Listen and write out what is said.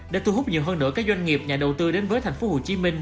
để thu hút nhiều hơn nửa các doanh nghiệp nhà đầu tư đến với thành phố hồ chí minh